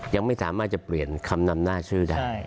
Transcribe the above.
ยังไม่สามารถจะเปลี่ยนคำนำหน้าชื่อได้